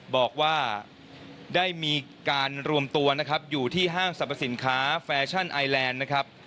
บอกว่าได้มีการรวมตัวอยู่ที่ห้างสรรพสินค้าแฟชั่นไอแลนด์